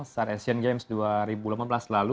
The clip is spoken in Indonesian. saat asian games dua ribu delapan belas lalu